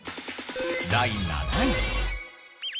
第７位。